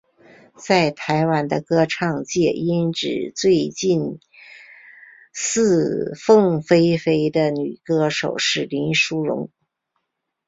在台湾的歌唱界音质最近似凤飞飞的女歌手是林淑容。